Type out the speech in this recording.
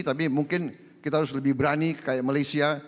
tapi mungkin kita harus lebih berani kayak malaysia